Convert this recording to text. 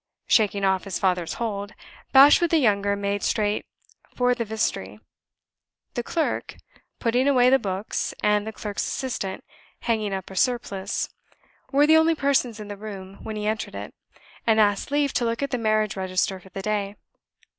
Shaking off his father's hold, Bashwood the younger made straight for the vestry. The clerk, putting away the books, and the clerk's assistant, hanging up a surplice, were the only persons in the room when he entered it and asked leave to look at the marriage register for the day.